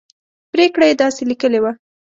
پرېکړه یې داسې لیکلې وه.